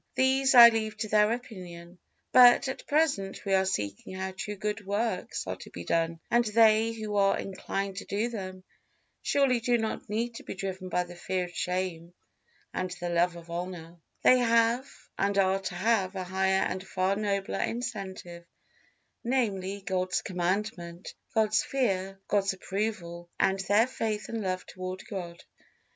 These I leave to their opinion. But at present we are seeking how true good works are to be done, and they who are inclined to do them surely do not need to be driven by the fear of shame and the love of honor; they have, and are to have a higher and far nobler incentive, namely, God's commandment, God's fear, God's approval, and their faith and love toward God.